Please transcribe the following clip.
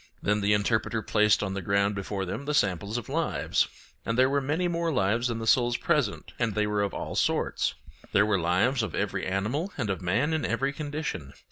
Then the Interpreter placed on the ground before them the samples of lives; and there were many more lives than the souls present, and they were of all sorts. There were lives of every animal and of man in every condition.